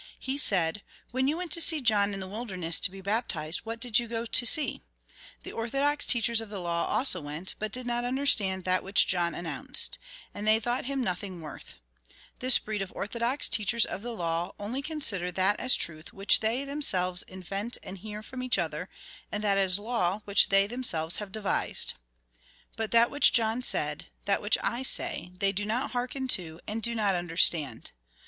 He said :" When you went to John in the wilderness to be baptized, what did you go to see ? The orthodox teachers of the law also went, but did not understand that which John announced. And they thought him nothing Mt. xi. 2, 3. 16. THE SOURCE OF LIFE 41 Mt. xi. 18. 19. Lk. xvi. 16. xra. £0. worth. This breed of orthodox teachers of the law only consider that as truth which they themselves invent and hear from each other, and that as law which they themselves have devised. But that which John said, that which I say, they do not hearken to, and do not understand.